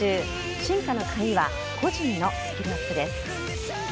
進化の鍵は個人のスキルアップです。